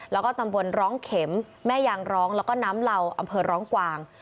แล้วก็ตำบลร้องเข็มแม่ยางร้องแล้วก็น้ำเหล่าอำเภอร้องกวาง